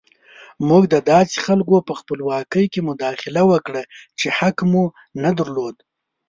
موږ د داسې خلکو په خپلواکۍ کې مداخله وکړه چې حق مو نه درلود.